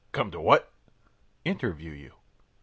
ö ōCome to what?ö ōInterview you.